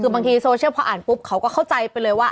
บางทีโซเชียลพออ่านก็เข้าใจไปเลยว่า